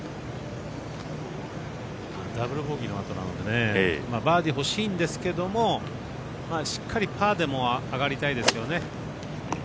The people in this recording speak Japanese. ダブルボギーのあとなのでバーディー欲しいんですけどもしっかりパーで上がりたいですよね。